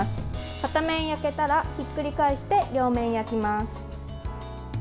片面焼けたらひっくり返して両面焼きます。